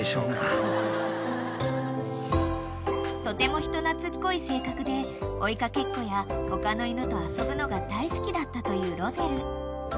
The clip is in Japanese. ［とても人懐っこい性格で追いかけっこや他の犬と遊ぶのが大好きだったというロゼル］